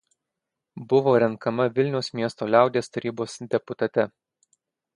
Buvo renkama Vilniaus miesto Liaudies tarybos deputate.